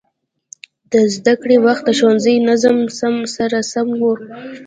د زده کړې وخت د ښوونځي د نظم سره سم و.